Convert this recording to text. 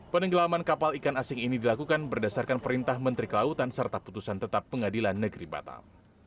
penenggelaman kapal ikan asing ini dilakukan berdasarkan perintah menteri kelautan serta putusan tetap pengadilan negeri batam